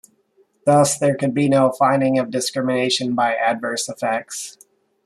Thus, there could be no finding of discrimination by adverse effects.